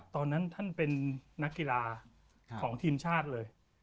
ตอนนั้นท่านเป็นนักกีฬาของทีมชาติเลย